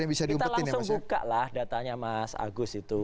kita langsung buka lah datanya mas agus itu